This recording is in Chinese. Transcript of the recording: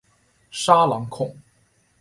沙朗孔。